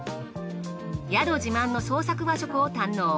宿自慢の創作和食を堪能。